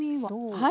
はい。